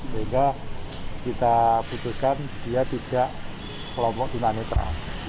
sehingga kita butuhkan dia tidak kelompok tunanetra